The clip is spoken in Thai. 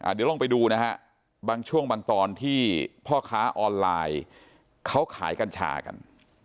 เดี๋ยวลองไปดูนะฮะบางช่วงบางตอนที่พ่อค้าออนไลน์เขาขายกัญชากัน